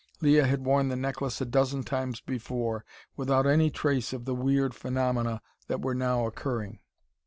Leah had worn the necklace a dozen times before, without any trace of the weird phenomena that were now occurring.